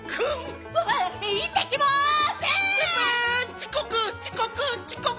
ちこくちこくちこく！